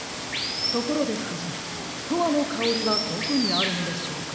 ところでふじん「とわのかおり」はどこにあるのでしょうか。